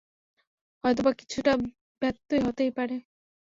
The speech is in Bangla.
হয়তোবা কিছু ব্যতয় হতেই পারে।